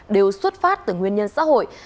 đều xuất phát từ nguyên nhân xã hội